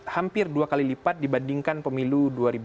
hampir dua kali lipat dibandingkan pemilu dua ribu sembilan belas